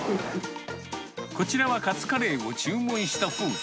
こちらはカツカレーを注文した夫婦。